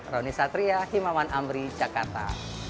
roni satria himawan amri jakarta